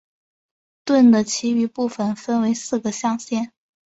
盾的其余部分分为四个象限。